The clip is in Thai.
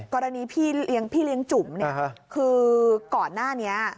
กรณีพี่เลี้ยงจุ๋มคือก่อนหน้านี้